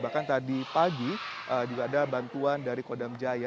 bahkan tadi pagi juga ada bantuan dari kodam jaya